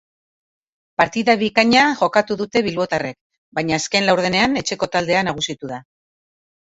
Partida bikaina jokatu dute bilbotarrek, baina azken laurdenean etxeko taldea nagusitu da.